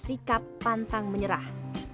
sikap pantang menyerah